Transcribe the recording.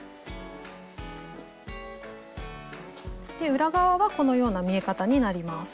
裏側はこのような見え方になります。